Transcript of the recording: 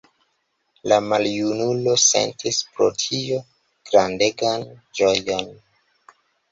La maljunulo sentis pro tio grandegan ĝojon.